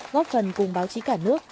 góp phần cùng báo chí cả nước